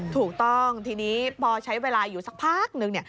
ถูกต้องทีนี้พอใช้เวลาอยู่สักพักนึง